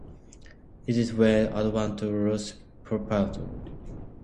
It is well adapted to logging purposes.